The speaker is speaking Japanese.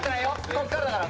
こっからだから。